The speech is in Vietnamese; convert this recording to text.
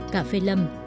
cà phê lâm